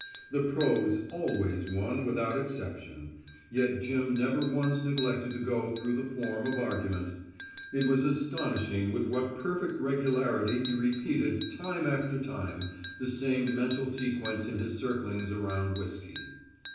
The pros always won without exception, yet Jim never once neglected to go through the form of argument. It was astonishing with what perfect regularity he repeated time after time the same mental sequence in his circlings around whiskey.